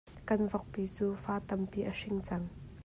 Kan vokpi cu fa tampi a hring cang.